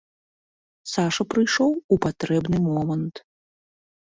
Саша прыйшоў у патрэбны момант.